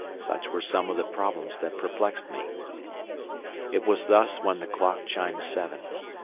Such were some of the problems that perplexed me. It was thus when the clock chimed seven.